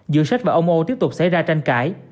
giữa sách và ông ô tiếp tục xảy ra tranh cãi